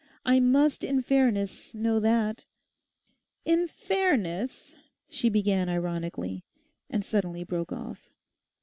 I must in fairness know that.' 'In fairness,' she began ironically, and suddenly broke off.